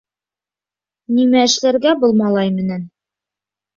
Нимә эшләргә был малай менән!..